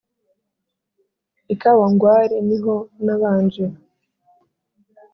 i kawangwari ni ho nabanje